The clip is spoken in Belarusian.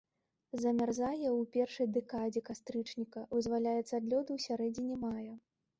Замярзае ў першай дэкадзе кастрычніка, вызваляецца ад лёду ў сярэдзіне мая.